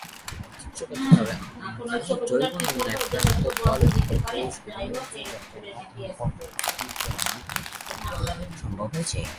ঐতিহ্যগতভাবে অন্যান্য প্রাণীর জৈব নমুনায় প্রাপ্ত কলা ও কোষগুলি অণুবীক্ষণ যন্ত্রের মাধ্যমে পর্যবেক্ষণ করে অনেক তথ্য পাওয়া সম্ভব হয়েছে।